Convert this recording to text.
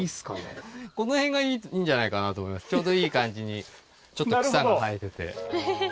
ちょうどいい感じにちょっと草が生えてて。